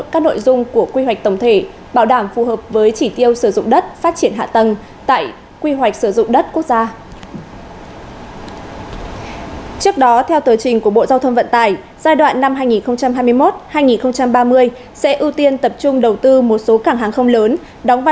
các nội dung của quy hoạch tổng thể bảo đảm phù hợp với chỉ tiêu sử dụng đất phát triển hạ tầng tại quy hoạch sử dụng đất quốc gia